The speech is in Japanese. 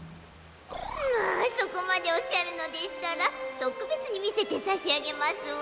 まあそこまでおっしゃるのでしたらとくべつにみせてさしあげますわ。